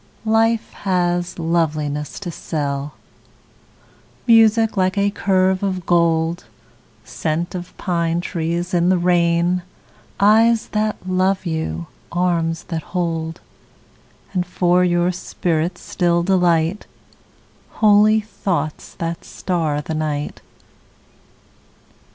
Life has loveliness to sell, Music like a curve of gold, Scent of pine trees in the rain, Eyes that love you, arms that hold, And for your spirit's still delight, Holy thoughts that star the night.